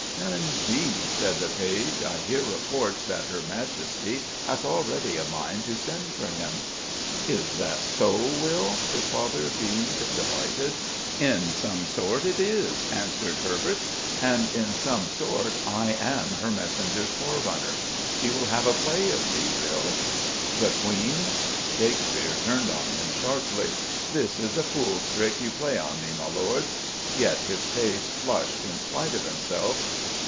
"Indeed," said the page, "I hear reports that her Majesty hath already a mind to send for him." "Is that so, Will?" His father beamed, delighted. "In some sort it is," answered Herbert, "and in some sort I am her messenger's forerunner. She will have a play of thee, Will." "The Queen?" Shakespeare turned on him sharply. "This is a fool's trick you play on me, my Lord." Yet his face flushed in spite of himself.